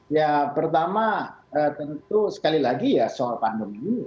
ya pertama tentu sekali lagi ya soal pandemi